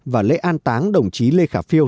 và lễ an táng đồng chí lê khả phiêu